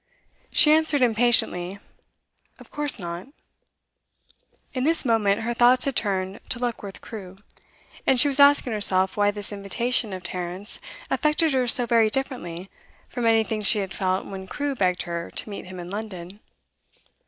She answered impatiently. 'Of course not.' In this moment her thoughts had turned to Luckworth Crewe, and she was asking herself why this invitation of Tarrant's affected her so very differently from anything she had felt when Crewe begged her to meet him in London.